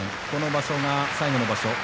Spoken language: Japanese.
この場所が最後の場所。